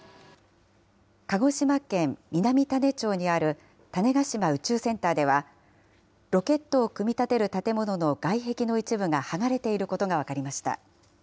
鹿児島県南種子町にある種子島宇宙センターではロケットを組み立てる建物の外壁の一部がはがれていることが分かりました。